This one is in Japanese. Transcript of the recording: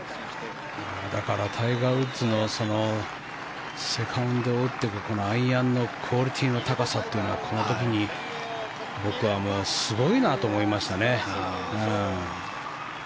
タイガー・ウッズのセカンドを打っていくアイアンのクオリティーの高さというのはこの時に僕はすごいなと思いましたね。